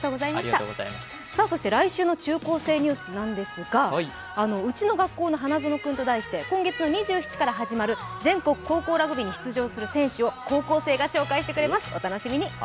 そして来週の中高生ニュースなんですが、ウチの学校の花園くんと題して今月の２７日から始まる全国高校生ラグビーでの選手を紹介します。